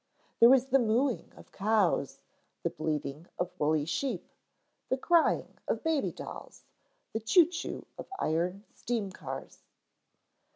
There was the mooing of cows, the bleating of woolly sheep, the crying of baby dolls, the choo choo of iron steam cars.